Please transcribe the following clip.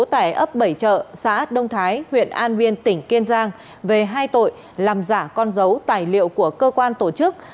tại ấp bảy chợ xã đông thái huyện an biên tỉnh kiên giang về hai tội làm giả con dấu tài liệu của cơ quan tổ chức